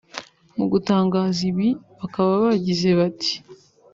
Mu gutangaza ibi bakaba bagize bati